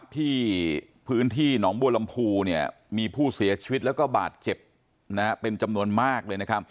ที่พื้นที่หนองบัวลำพูมีผู้เสียชีวิตแล้วก็บาดเจ็บเป็นจำนวนมากเลย